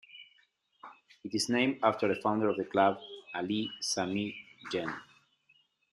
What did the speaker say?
It is named after the founder of the club, Ali Sami Yen.